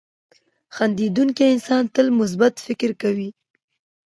• خندېدونکی انسان تل مثبت فکر کوي.